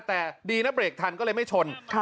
แต่ดีนะเบรกทันก็เลยไม่ชน